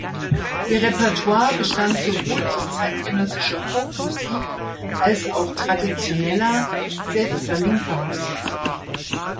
Ihr Repertoire bestand sowohl aus zeitgenössischer Folkmusik als auch traditioneller Sevdalinka-Musik.